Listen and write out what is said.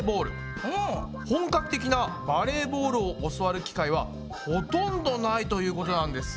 本格的なバレーボールを教わる機会はほとんどないということなんです。